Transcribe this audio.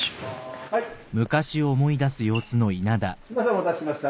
お待たせしました。